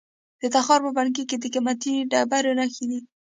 د تخار په بنګي کې د قیمتي ډبرو نښې دي.